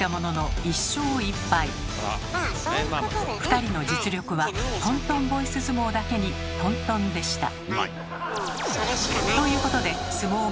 ２人の実力はトントンボイス相撲だけにトントンでした。